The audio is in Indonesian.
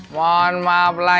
mong maaf lah